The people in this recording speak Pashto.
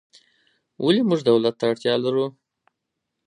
ولې موږ دولت ته اړتیا لرو؟